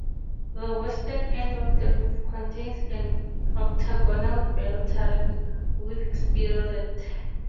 The western end of the roof contains an octagonal bell turret with spirelet.